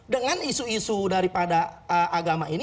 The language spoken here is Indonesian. dengan isu isu daripada agama ini